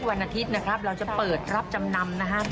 มาเลยใครจะได้จำนำอะไรมา